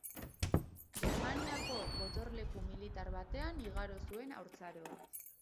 Germaniako gotorleku militar batean igaro zuen haurtzaroa.